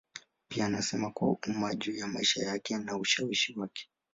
Pia anasema kwa umma juu ya maisha yake na ushawishi wake.